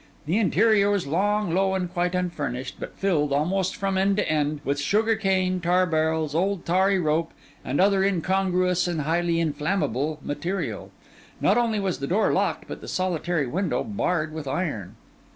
The interior was long, low, and quite unfurnished, but filled, almost from end to end, with sugar cane, tar barrels, old tarry rope, and other incongruous and highly inflammable material; and not only was the door locked, but the solitary window barred with iron.